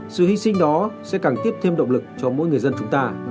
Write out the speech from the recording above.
sự hy sinh đó sẽ càng tiếp thêm động lực cho mỗi người dân chúng ta